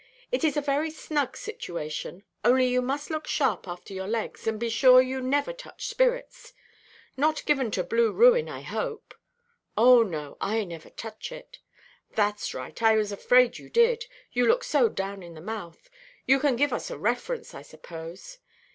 It is a very snug situation; only you must look sharp after your legs, and be sure you never touch spirits. Not given to blue ruin, I hope?" "Oh no. I never touch it." "Thatʼs right. I was afraid you did, you look so down in the mouth. You can give us a reference, I suppose?"